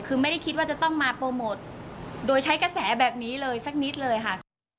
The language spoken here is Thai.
คือไม่ได้คิดว่าจะต้องมาโปรโมทโดยใช้กระแสแบบนี้เลยสักนิดเลยค่ะ